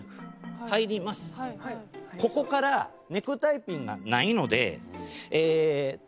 ここからネクタイピンがないのでえっと